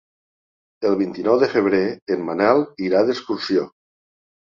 El vint-i-nou de febrer en Manel irà d'excursió.